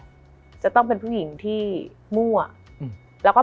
มันทำให้ชีวิตผู้มันไปไม่รอด